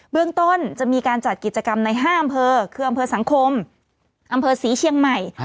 เรื่องต้นจะมีการจัดกิจกรรมใน๕อำเภอคืออำเภอสังคมอำเภอศรีเชียงใหม่